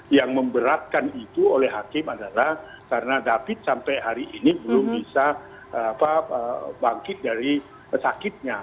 yang memberatkan itu oleh hakim adalah karena david sampai hari ini belum bisa bangkit dari sakitnya